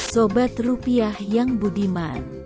sobat rupiah yang budiman